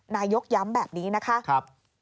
นายกย้ำแบบนี้นะคะ